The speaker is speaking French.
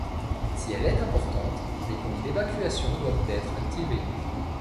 Si elle est importante, les pompes d'évacuation doivent être activées.